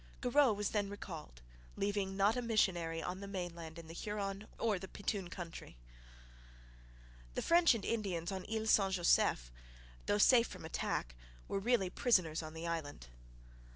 Garreau was then recalled, leaving not a missionary on the mainland in the Huron or the Petun country. The French and Indians on Isle St Joseph, though safe from attack, were really prisoners on the island.